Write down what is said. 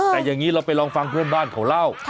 แต่อย่างนี้เราไปลองฟังเพื่อนบ้านเขาเล่า